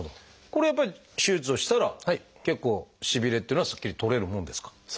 これはやっぱり手術をしたら結構しびれっていうのはすっきり取れるもんですか？